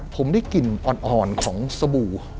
ผมได้กลิ่นอ่อนของสบู่